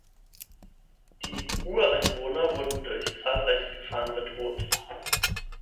Die Ureinwohner wurden durch zahlreiche Gefahren bedroht.